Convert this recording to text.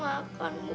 masa baru yuk